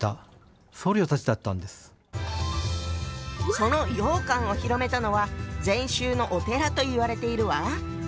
その羊羹を広めたのは禅宗のお寺といわれているわ。